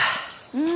うん。